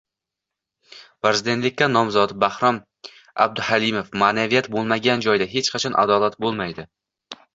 Prezidentlikka nomzod Bahrom Abduhalimov: “Ma’naviyat bo‘lmagan joyda hech qachon adolat bo‘lmaydi”